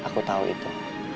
aku tau itu